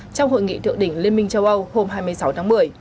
trong hội nghị thượng đỉnh liên minh châu âu hôm hai mươi sáu tháng một mươi